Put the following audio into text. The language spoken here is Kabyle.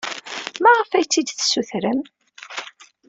Maɣef ay tt-id-tessutrem?